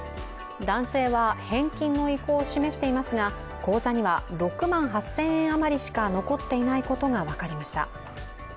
男性は返金の意向を示していますが、口座には６万８０００円余りしか残っていないことが分かりました。